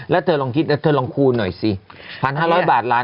แล้วเธอลองคิดแล้วเธอลองคูณหน่อยสิ๑๕๐๐บาทล้านคนถ้าถึงล้าน